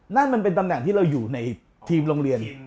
นั่นมันเป็นตำแหน่งที่เราอยู่ในทีมโรงเรียน